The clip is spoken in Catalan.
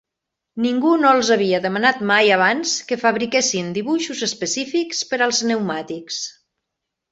Ningú no els havia demanat mai abans que fabriquessin dibuixos específics per als pneumàtics.